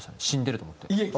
死んでると思って。